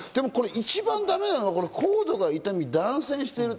一番ダメなのは、コードが傷み、断線している。